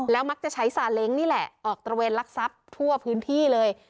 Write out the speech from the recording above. มักจะใช้ซาเล้งนี่แหละออกตระเวนลักทรัพย์ทั่วพื้นที่เลย